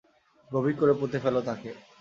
গভীর করে পুঁতে ফেলো তাকে।